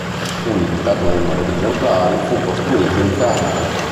Un limitato numero di esemplari fu costruito in Canada.